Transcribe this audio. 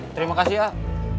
terima kasih ah